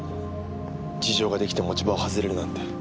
事情が出来て持ち場を外れるなんて。